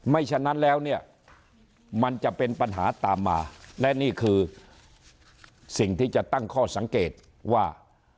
ฉะนั้นแล้วเนี่ยมันจะเป็นปัญหาตามมาและนี่คือสิ่งที่จะตั้งข้อสังเกตว่า